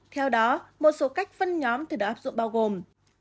theo đó một số cách phân nhóm từ đó áp dụng bao gồm